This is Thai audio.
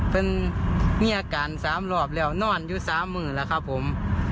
เป็นมีอาการ๓รอบแล้วนอนอยู่๓มือแล้วครับผม